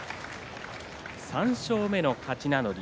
３勝目の勝ち名乗り。